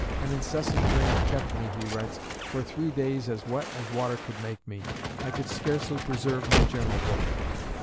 "An incessant rain kept me," he writes, "for three days as wet as water could make me. I could scarcely preserve my journal book."